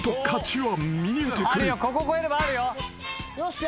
よっしゃ。